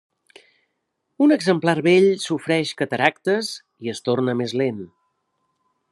Un exemplar vell sofreix cataractes i es torna més lent.